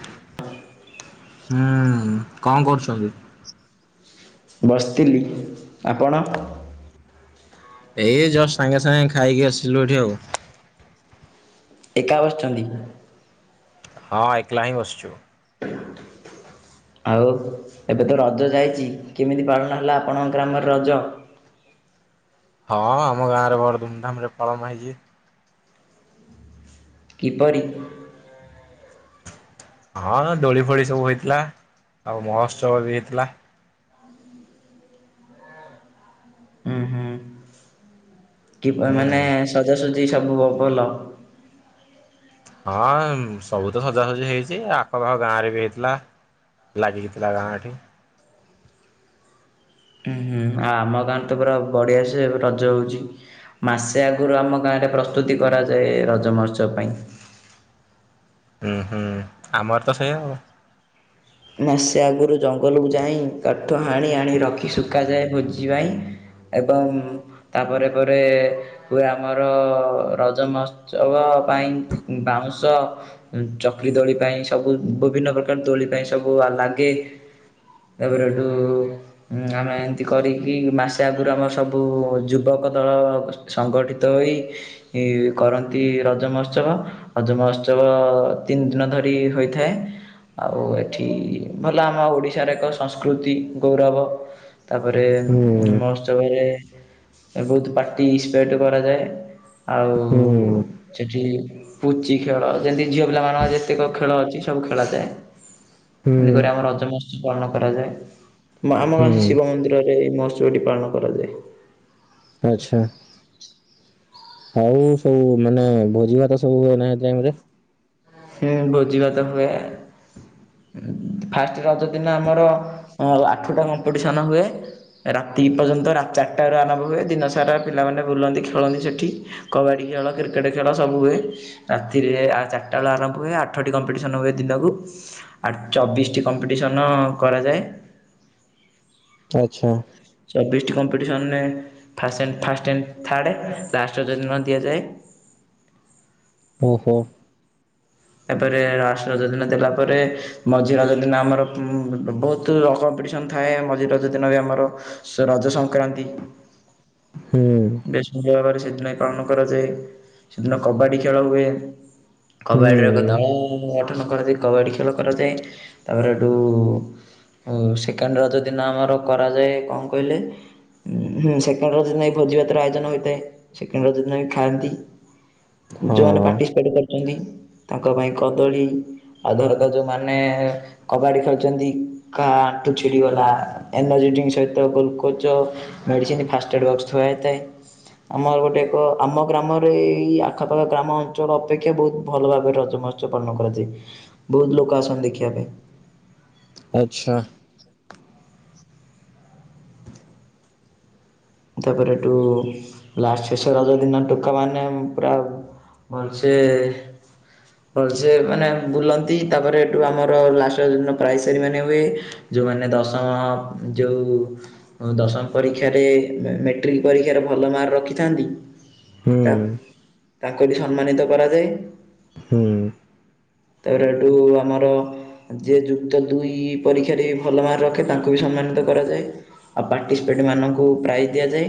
ହ [unintelligible] ହୁଁ କଣ କରୁଛନ୍ତି। ବସିଥିଲି ଆପଣ? ଏଇ ଜଷ୍ଟ ସାଙ୍ଗେ ସାଙ୍ଗେ ଖାଇକି ଆସିଲୁ ଏଠି ଆଉ। ଏକା ବସିଛନ୍ତି। ହଁ ଏକଲା ହିଁ ବସଛୁ। ଆଉ ଏବେ ତ ରଜ ଯାଇଛି କେମିତି ପାଳନ ହେଲା ଆପଣଙ୍କ ଗ୍ରାମରେ ରଜ। ହଁ ଆମ ଗାଁ ରେ ବଡ ଧୁମଧାମ ରେ ପଳନ ହେଇଛି। କିପରି? ହଁ ଦୋଳି ଫୋଳି ସବୁ ହେଇଥିଲା ଆଉ ମହୋତ୍ସବ ବି ହେଇଥିଲା। ହୁ ହୁଁ। କି ହୁଁ ମାନେ ସଜାସଜି ଆଜି ସବୁ ଭଲ। ହଁ ସବୁ ତ ସଜାସଜି ହେଇଛି ଆଖପାଖ ଗାଁରେ ବି ହେଇଥିଲା ଲାଗିକି ଥିଲା ଗାଁଠି ଉଁ ହୁଁ ଆଉ ଆମ ଗାଁରେ ତ ପୁରା ବଢିଆ ସେ ରଜ ହଉଛି ମାସେ ଆଗରୁ ଆମ ଗାଁରେ ପ୍ରସ୍ତୁତି କରାଯାଏ ରଜ ମହର୍ସ ପାଇଁ ହୁଁ ହୁଁ ଆମର ତ ସେଇ ହବ। ମାସେ ଆଗରୁ ଜଙ୍ଗଲକୁ ଯାଇ କାଠ ହାଣି ଆଣି ରଖି ଶୁଖାଯାଏ ଭୋଜି ପାଇଁ ଏବଂ ତାପରେ ପରେ ପୁଏ ଆମର ରଜମସ ପାଇଁ ବାଉଁଶ ଚକଲି ଦୋଳି ପାଇଁ ସବୁ ବିଭିନ୍ନ ପ୍ରକାର ଦୋଳି ପାଇଁ। ସବୁ ଲାଗେ ତାପରେ ଏଠୁ ଆମେ ଏମିତି କରିକି ମାସେ ଆଗରୁ ଆମ ସବୁ ଯୁବକ ଦଳ ସଂଗଠିତ ହୋଇ କରନ୍ତି ରଜ ମହୋତ୍ସବ ରଜ ମହୋତ୍ସବ ତିନି ଦିନ ଧରି ହୋଇଥାଏ ଆଉ ଏଠି ଭଲ ଆମ ଓଡ଼ିଶାର ଏକ ସଂସ୍କୃତି ଗୌରବ। ତାପରେ ହୁଁ ମତ୍ସ୍ୟବରେ ବହୁତ ପାଟି ସ୍ପେଟ କରାଯାଏ। ଆଉ ହୁଁ ସେଠି ପୁଚି ଖେଳ। ଯେମିତି ଝିଅ ପିଲା ମଙ୍କ ଯେତେକ ଖେଳ ଅଛି ସବୁ ଖେଳାଯାଏ। ହୁଁ ଏମିତିକ ଆମର ରଜମାସ ପଶୁ ପାଳନ କରାଯାଏ। ଆମ ଗ ହୁଁ। ଶିବ ମନ୍ଦିରରେ ପଚୁଟି ପାଳନ କରାଯାଏ। ଆଚ୍ଛା। ଆଉ ସବୁ ମାନେ ଭୋଜି ଭାତ ସବୁ ହୁଏ ନାହି ଟାଇମରେ ହଁ ବୋଜିବା ତ ହୁଏ। ଫାଷ୍ଟ ରଜ ଦିନ ଆମର ଆଠଟା କମ୍ପିଟିସନ୍ ହୁଏ ରାତି ପର୍ଯ୍ୟନ୍ତ ଚାରିଟାରୁ ଆରମ୍ଭ ହୁଏ ଦିନସାରା ପିଲାମାନେ ବୁଲନ୍ତି ଖେଳନ୍ତି ସେଠି କବାଡ଼ି ଖେଳ କ୍ରିକେଟ୍ ଖେଳ ସବୁ ହୁଏ ରାତିରେ ଚଟ ପାଟା ବେଳ ଆରମ୍ଭ ହୁଏ ଆଠଟି କମ୍ପିଟିସନ୍ ହୁଏ ଦିନକୁ ଆ ଚବିଶଟି କମ୍ପିଟିସନ୍ କରାଯାଏ। ଆଚ୍ଛା। ବିସ୍ କମ୍ପିଟିସନେ ଫା ଫାଷ୍ଟଣ୍ଡ ଥାର୍ଡ଼ ଲାଷ୍ଟ ଯନ ଦିଆଯାଏ। ଓ ହୋ। ତାପରେ ଲଷ୍ଟ ରଜ ଦିନ ଦେଲା ପରେ ମଝି ରଜ ଦିନ ଆମର ବହୁତ କମ୍ପିଟିସନ ଥାଏ ମଝି ରଜ ଦିନ ବି ଆମର ରଜ ସଂକ୍ରାନ୍ତି। ହୁଁ ବେଶ ଭଲ ବପାର ସେ ସେିନାଇ ପାଳନ କରାଯାଏ ସେଦିନ କବାଡ଼ି ଖେଳ ହୁଏ। କବାଡ଼ିରେ ହୁଁ। [unintelligible] କରାଯାଏ କବାଡ଼ି ଖେଳ କରାଯାଏ ତାପରେ ଏଠୁ ସେକେଣ୍ଡ ରଜ ଦିନ ଆମର କରାଯାଏ କଣ କହିଲେ ସେକେଣ୍ଡ ରଜିନ ଭୋଜିଭାତ୍ରର ଆୟୋଜନ ହୋଇଥାଏ ସେକେଣ୍ଡ ରଜ ଦିନ ବି ଖାଆନ୍ତି। ହଁ ଯୋଉମାନେ ପାର୍ଟିସିପେଟ କରୁଛନ୍ତି। ତାଙ୍କ ପାଇଁ କଦଳୀ ଆଉ ଧରକାର ଯେଉଁମାନେ କବାଡ଼ି ଖେଳୁଛନ୍ତି କାହା ଆଣ୍ଠୁ ଛିଡ଼ିଗଲା ଏନର୍ଜି ଡ୍ରିଙ୍କ ସହିତ glucose medicine first aid box ଥୁଆ ହୋଇଇଥାଏ ଆମର ଗୋଟେ ଏକ ଆମ ଗ୍ରାମରେ ଏ ଆଖପାଖ ଗ୍ରାମ ଅଞ୍ଚଳ ଅପେକ୍ଷା ବହୁତ ଭଲ ଭାବ ର ପାଳନ କରାଯ ବତ ଲୋକ ଆସନ୍ତି ଦେଖିବା। ଆଚ୍ଛା। ତାପରେ ଏଠୁ ଲାଷ୍ଟ ଶେଷର ଦିନ ଟୋକା ମାନେ ପୁରା ଭଲସେ ଭଲସେ ମାନେ ବୁଲନ୍ତି ତାପରେ ଏଠୁ ଆମର ଲାଷ୍ଟ ପ୍ରାଇଜ ସାରି ମାନେ ହୁଏ ଯେଉମାନେ ଦଶମ ଯେଉଁ ଦଶମ ପରୀକ୍ଷାରେ। ମାେଟ୍ରିକ୍ ପରୀକ୍ଷାରେ ଭଲ ମାର୍କ ରଖିଥାନ୍ତି। ହୁଁ ତା ତା ତା ସମ୍ମାନିତ କରାଯାଏ। ହୁଁ। ତାପରେ ଏଠୁ ଆମର ଯିଏ ଯୁକ୍ତ ଦୁଇ ପରୀକ୍ଷାରେ ଭଲ ମାର୍କ ରଖେ ତାଙ୍କୁ ବି ସମ୍ମାନିତ କରାଯାଏ ଆଉ ପାର୍ଟିସିପେଣ୍ଟ ମାନଙ୍କୁ ବ୍ରାଇଜ୍ ଦିଆଯାଏ।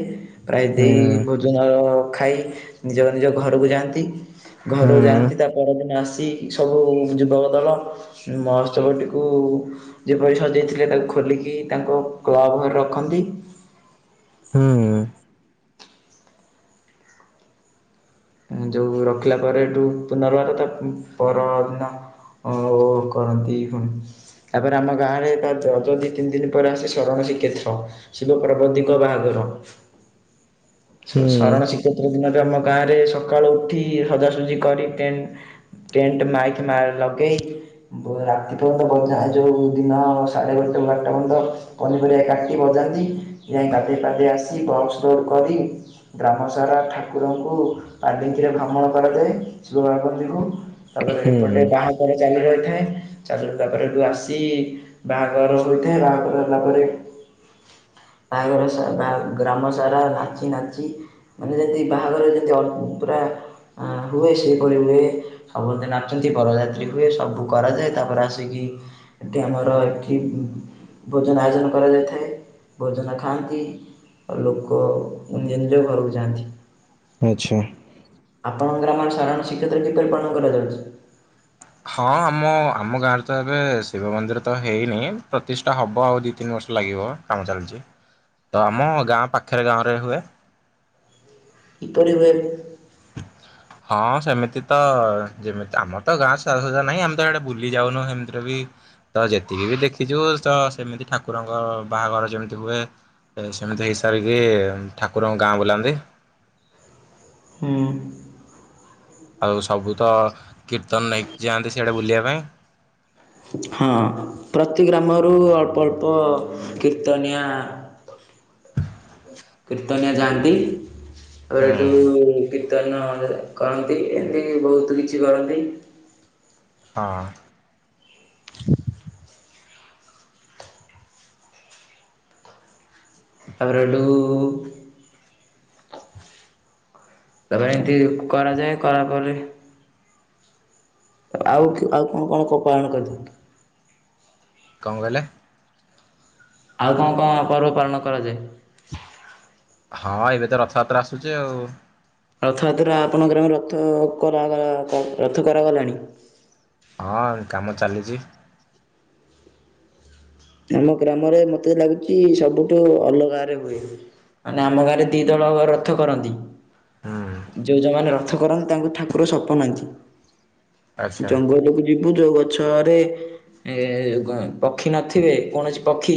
ପ୍ରାୟ ହୁଁ ଦେଇ ହୁଁ ଭୋଜନର ଖାଇ ନିଜର ନିଜ ଘରକୁ ଯାଆନ୍ତି। ହୁଁ ଘରୁ ଯାଆନ୍ତି ତା ପରଦିନ ଆସି ସବୁ ଯୁବକ ଦଳ ମହୋତ୍ସବଟିକୁ ଯେ ପରିସା ଦେଇାଇଥିଲେ ତାକୁ ଖୋଲିକି ତାଙ୍କ କ୍ଲବ ଘରେ ରଖନ୍ତି। ହୁଁ। ଯୋଉ ରଖିଲା ପରେଠୁ ପୁନର୍ବାର ତା ପରଦିନ କରନ୍ତିୁ ତାପରେ ଆମ ଗାଁରେ ତା ଅଯ ଦି ତିନି ଦିନ ପରେ ଆସେ ଶରଣ ଶ୍ରୀକ୍ଷେତ୍ର ଶିବ ପ୍ରବଧିକ ବାହାଘର ଶରଣ ଶ୍ରୀକ୍ଷେତ୍ର ଦିନରେ ଆମ ଗାଁରେ ସକାଳୁ ଉଠି ସଜାସୁଜି କରି ଟେଣ୍ଟ ଟେଣ୍ଟ ମାଇକ୍ ଲଗାଇ ରାତି ପର୍ଯ୍ୟନ୍ତ ବଜା ଯେଉଁ ଦିନ ସାଢ଼େ ଗଟଟା ବାରଟା ପର୍ଯ୍ୟନ୍ତ ପନିପରିବା କାଟି ବଜାନ୍ତି ଯ କାଦେଇ ପାଦେଇ ଆସି ବର୍କ୍ସୋଡ଼ କରି ଗ୍ରାମ ସାରା ଠାକୁରଙ୍କୁ ପାଲିଙ୍କିରେ ଭ୍ରମଣ କରାଯାଏ ଶିବ ବାପ୍ନ୍ତିୀକୁ ତାପରେ ଏପଟେ ହୁଁ ବାହାଘର ଚାଲ ରହିଥାଏ ଚାଲ ରହିିଲ ତା ପରେରେ ଏଠୁ ଆସି ବାହାଘର ହୋଇଥାଏ ବାହାଘର ହେଲା ପରେରେ ବାହାଘର ବା ଗ୍ରାମ ସାରା ନାଚି ନାଚି ମାନେ ଯେମିତି ବାହାଘର ଯେମିତି ପୁରା ହୁଏ ସେପଳି ହୁଏ ସବୁସ୍ତେ ନାଚନ୍ତି ବରଯାତ୍ରୀ ହୁଏ ସବୁ କରାଯାଏ ତାପରେ ଆସିକି ଏଠି ଆମର ଏଠି ଭୋଜନ ଆୟୋଜନ କରାଯାଇଥାଏ ଭୋଜନ ଖାଆନ୍ତି ଆଉ ଲୋକ ନିଜ ନିଜ ଘରକୁ ଯାଆନ୍ତି। ଆଚ୍ଛା। ଆପଣଙ୍କ ଗ୍ରାମରେ ସାଧାରଣ ଶ୍ରୀ୍ଷେତ୍ର କିପରି ପାଳନ କରାଯାଉଛି? ହଁ ଆମ ଆମ ଗାଁରେ ତ ଏବେ ଶିବ ମନ୍ଦିର ତ ହେଇନି ପ୍ରତିଷ୍ଠା ହବ ଆଉ ଦିଇ ତିନି ବର୍ଷ ଲାଗିବ କାମ ଚାଲିଛି ତ ଆମ ଗାଁ ପାଖରେ ଗାଁରେ ହୁଏ। କିପରି ଭଏ ହଁ ସେମିତି ତ ଯେମିତି ଆମର ତ ଗାଁ ସାରାସଜୁରା ନାହିଁ ଆମେ ତ ସେଆଡେ ବୁଲି ଯାଉନୁ ସେମିତିରେ ବି ତ ଯେତିକି ବି ଦେଖିଛୁ ତ ସେମିତି ଠାକୁରଙ୍କ ବାହାଘର ଯେମିତି ହୁଏ ସେମିତି ହେଇସାରିକି ଠାକୁରଙ୍କ ଗାଁ ବୁଲାନ୍ତି। ହୁଁ। ଆଉ ସବୁ ତ କୀର୍ତ୍ତନ ନେଇକି ଯାଆନ୍ତି ସେଇଆଟା ବୁଲିବା ପାଇଁ। ଆମର ଅଳ୍ପ ଅଳ୍ପ କୀର୍ତ୍ତନଆ କ୍ରିତୋନିଆ ଗାଧି ହୁଁ ଆରଠୁ ସେଦିନ ଯଦି କରନ୍ତି ଏମିତି ବହୁତ କିଛି କରନ୍ତି। ହଁ। [unintelligible] ତାପରେ ଏଠୁ ତାପରେ ଏମିତି କରାଯାଏ କରା କରି ଆଉ ଆଉ କଣ କଣ ପାଳଣ କରିଥାଏ। କଣ କହିଲେ? ଆଉ କଣ କଣ ପର୍ବ ପାଳନ କରାଯାଏ? ହଁ ଏବେ ତ ରଥଯାତ୍ରା ଆସୁଛି ଆଉ ରଥଯାତ୍ରା ଆପଣଙ୍କର ରଥ କରାଗଲା ରଥ କରାଗଲାଣି। ହଁ କାମ ଚାଲିଛି। ଆମ ଗ୍ରାମରେ ମତେ ଲାଗୁଛି ସବୁଠୁ ଅଲଗା ରେ ହୁଏ ମାନେ ଆମ ଗାଁରେ ଦି ଦଳ ରଥ କରନ୍ତି। ହୁଁ ଯୋଉ ଯୋଉଁ ମାନ ରଥ ରଥ କରନ୍ତିୁ ତାଙ୍କୁ ଠାକୁର ସପନ ଆସେ। ଆଚ୍ଛା ଜଙ୍ଗଲକୁ ଯି ଭୁଜ ଗଛରେ ଏ ପକ୍ଷୀ ନଥି ଦେଖିବେ କୌଣସି ପକ୍ଷୀ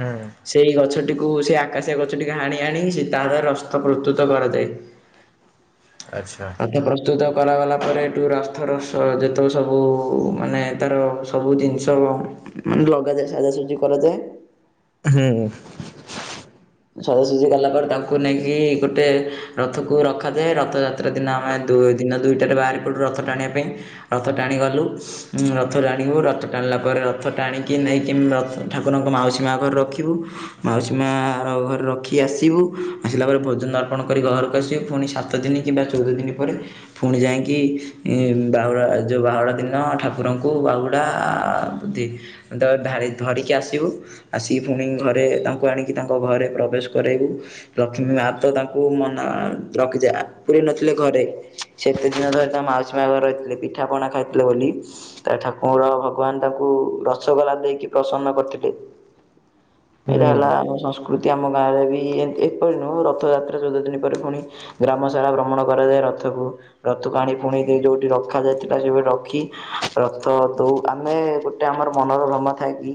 ହୁଁ ସେଇ ଗଛ ତାକୁ ସେ ଆକାଶେ ଗଛଟିକୁ ହାଣି ହାଣି ସେ ତାର ରଥ ପ୍ରସ୍ତୁତ କରାଯାଏ। ଆଚ୍ଛା। ରଥ ପ୍ରସ୍ତୁତ କରାଗଲା ପରେ ଏଠୁ ରଥର ଯେତେକ ସବୁ ମାନେ ତାର ସବୁ ଜିନିଷ ମାନେ ଲଗା ସଜାସଜି କରାଯାଏ। ହୁଁ। ସଜାସଜି ଗଲା ପରେ ତାଙ୍କୁ ନେଇକି ଗୋଟେ ରଥକୁ ରଖାଯାଏ ରଥଯାତ୍ରା। ସେଦିନ ଆମେ ଦୁଇ ଦିନ ଦୁଇଟାରେ ବାହାରି ପଡ଼ୁ ରଥ ଟାଣିବା ପାଇଁ ରଥ ଟାଣିଗଲୁ ରଥ ଟାଣିବୁ ରଥ ଟାଣିଲା ପରେ ରଥ ଟାଣିକି ନେଇକି ରଥ ଠାକୁରଙ୍କ ମାଉସୀ ମା ଘରେ ରଖିବୁ ମାଉସୀ ମା ତାଙ୍କ ଘରେ ରଖି ଆସିବୁ ଆସିଲା ପରେ ଭୋଜନ ଅର୍ପଣ କରି ଘରକୁ ଆସିବୁ ପୁଣି ସାତ ଦିନ କିମ୍ବା ଚଉଦ ଦିନ ପରେ ପୁଣି ଯାଇକି ବାହୁଡ଼ା ଯେଉଁ ବାହୁଡ଼ା ଦିନ ଠାକୁରଙ୍କୁ ବାହୁଡ଼ା ଧରିକି ଆସିବୁ ଆସିକି ପୁଣି ଘରେ ତାଙ୍କୁ ଆଣିକି ତା ଘରେ ପ୍ରବେଶ କରେଇବୁ ଲକ୍ଷ୍ମୀ ମା ତ ତାଙ୍କୁ ମନା ରଖିଯାଏ ପୁରେଇନଥିଲେ ଘରେ ସେତେ ଦିନ ଧରି ତା ମାଉସୀ ମା ଘରେ ରହିଥିଲେ ପିଠାପଣା ଖାଇଥିଲେ ବୋଲି ତା ଠାକୁର ଭଗବାନ ତାଙ୍କୁ ରସଗୋଲା ଦେଇକି ପ୍ରସନ୍ନ କରିଥିଲେ। ହୁଁ ଏଇଟା ହେଲା ଆମ ସଂସ୍କୃତ ପ୍ରତି ଆମ ଗାଁରେ ବି ଏପରି ନୁହଁ ରଥଯାତ୍ରା ଚଉଦ ଦିନ ପରେ ପୁଣି ଗ୍ରାମ ସାରା ଭ୍ରମଣ କରାଯାଏ ରଥକୁ ରଥକୁ ଆଣି ପୁଣି ଯେଇ ଯୋଉଠି ରଖାଯାଇଥିଲା ସେଭଳି ରଖି ରଥକୁ ଆମେ ଗୋଟେ ଆମର ମନର ଭ୍ରମ ଥାଏ କି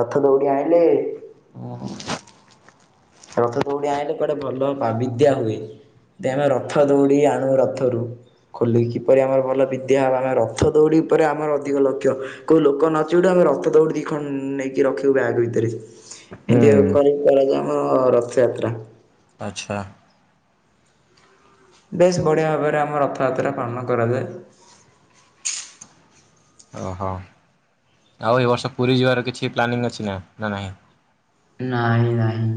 ରଥ ଦୌଡ଼ି ଆଣିଲେ। ରଥ ଦୌଡି ଆଣିଲେ କୁଆଡେ ଭଲ ଵା ବିଦ୍ୟା ହୁଏ ଆମେ ରଥ ଦୌଡି ଆଣୁ ରଥରୁ ଖୁଲିକି କିପରି ଆମର ଭଲ ବିଦ୍ୟା ହେବା ଆମେ ରଥ ଦୌଡି ଉପରେ ଆମର ଅଧିକ ଲକ୍ଷ୍ୟ କୋଉ ଲୋକ ନଚିଡୁ ଆମେ ରଥ ଦୌଡି ଦିଖଣ୍ଡ ନେଇକି ରଖିବୁ ବ୍ୟାଗ ଭିତରେ ଏମତି ହୁଁ ବି କରେ। ଏମିତି ହୁଏ ଆମର ରଥଯାତ୍ରା। ଆଚ୍ଛା। ବେଶ ବଢିଆ ଭାବରେ ଆମ ରଥଯାତ୍ରା ପାଳନ କରାଯାଏ। ଓହୋ ଆଉ ଏ ବର୍ଷ ପୁରୀ ଯିବାର କିଛି ପ୍ଲାନିଂ ଅଛି ନା ନା ନାହିଁ। ନାହିଁ ନାହିଁ।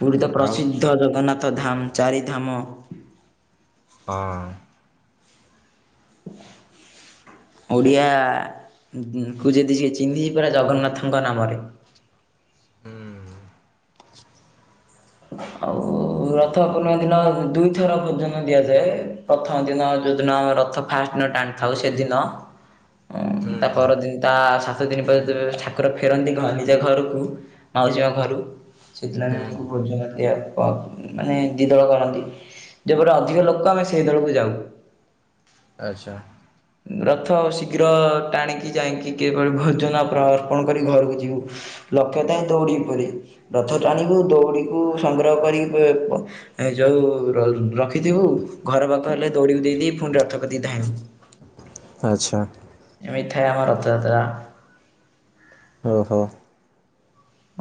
ପୁରୀ ତ ଆଉ ପ୍ରସିଦ୍ଧ ଜଗନ୍ନାଥ ତ ଧାମ ଚାରିଧାମ ହଁ। ଓଡ଼ିଆ କୁ ଯଦି ସେ ଚିହ୍ନି ପରା ଜଗନ୍ନାଥଙ୍କ ନାମରେ ହୁଁ। ଆଉ ରଥ ପୂର୍ଣ୍ଣି ଦିନ ଦୁଇଥର ଭୋଜନ ଦିଆଯାଏ ପ୍ରଥମ ଦିନ ଯୋଉଦିନ ଆମେ ରଥ ଫାଷ୍ଟ ଦିନ ଟାଣିଥାଉ ସେଦିନ ଓ ହୁଁ ତା ପର ଦିନଟା ସାତ ସାତ ଦିନି ପରେ ଠାକୁର ଫେରନ୍ତି କଣ ନିଜ ଘରକୁ ମାଉସୀ ମା ଘରୁ ହୁଁ ସେଇଥିଲାଇଁ ଆମ ମାନେ ଦି ଦଳ କରନ୍ତି ଯୋଉପଟ ଅଧିକ ଲୋକ ଆମେ ସେଇ ଦଳକୁ ଯାଉ ଆଚ୍ଛା। ରଥ ଶୀଘ୍ର ଟାଣିକି ଯାଇକି କି ଭୋଜନ ଅର୍ପଣ କରି ଘରକୁ ଯିବୁ ଲକ୍ଷ୍ୟ ଥାଏ ଦୌଡ଼ି ଉପରି ରଥ ଟାଣିବୁ ଦୌଡ଼ି ସଂଗ୍ରହ କରି ଯୋଉ ରଖିଥିବୁ ଘର ପାଖ ଲେ ଦୌଡିକୁ ଦେଇଦ ଫୁଣି ରଥ କତିକି ଧାଇଁବୁ ଆଚ୍ଛା ଏମିତି ହଁ ରଥଯାତ୍ରା। ଓହୋ।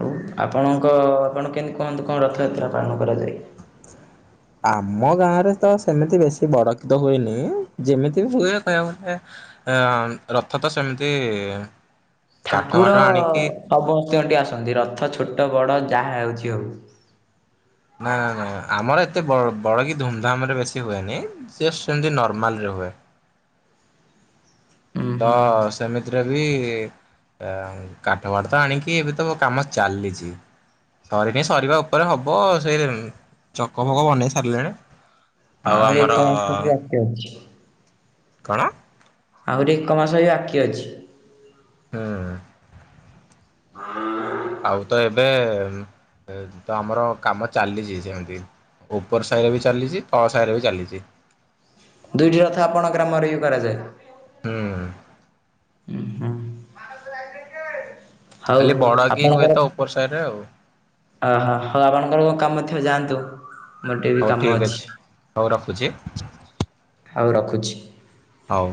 ହଉ ଆପଣଙ୍କ ଆପଣ କେମିତି କୁହନ୍ତୁ କଣ ରଥଯାତ୍ରା ପାଳନ କରାଯାଏ। ଆମ ଗାଁରେ ତ ସେମିତି ବେଶୀ ବଡ କି ତ ହୁଏନି ଯେମିତି ବି ହୁଏ କହିବାକୁ ଗଲେ ରଥ ତ ସେମିତି କାଠ ଠାକୁର ଫାଠ ଆଣିକି ହବ ଆସନ୍ତି ରଥ ଛୋଟ ବଡ ଯାହା ହେଉଛି ଆଉ ନା ନା ନା ଆମର ଏତେ ବଡ କିି ଧୁମଧାମ ରେ ବେଶୀ ହୁଏନିଷ୍ଟ ସେମିତି ନର୍ମାଲରେ ହୁଏ। ହୁଁ ତ ହୁଁ ସେମିତି ସେଥିରେ ବି କାଠ ବାଠ ତ ଆଣିକି ଏବେ ତ କାମ ଚାଲିଛି ସରିନି ସରିବା ଉପରେ ହବ ସେ ଚକ ଫକ ବନେଇ ସାରିଲେଣି ଆ ଆଉ ଆରେ ଆମର ଏକ ମାସ ବି ବାକି ଅଛି। କଣ? ଆହୁରି ଏକ ମାସ ବି ବାକିି ଅଛି ହୁଁ। ହଁ। ଆଉ ତ ଏବେ ତ ଆମର କାମ ଚାଲିଛି ସେମିତି ଉପର ସାହିରେ ବି ଚାଲିଛି ତଳ ସାହିରେ ବି ଚାଲିଛି। ଦୁଇଟି ରଥ ଆପଣଙ୍କ ଗ୍ରାମରେ ବି କରାଯାଏ। ହୁଁ। ଉଁ [inaudible] ଖାଲି ବଡ କି ହୁଏ ତ ଉପର ସାଇ ରେ ଆଉ। ଓହୋ ହଉ ଆପଣଙ୍କର କଣ କାମଥିବ ଯାଆନ୍ତୁ। ମୋର ଟିକେ ବି ହଉ କାମ ଠିକ୍ ଅଛି। ହଉ ରଖୁଛି ହଉ ରଖ ଅଛି ହଉ